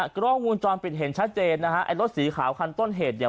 กล้องวงจรปิดเห็นชัดเจนนะฮะไอ้รถสีขาวคันต้นเหตุเนี่ย